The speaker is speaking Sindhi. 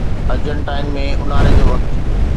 ارجنٽائن ۾ اونهاري جو وقت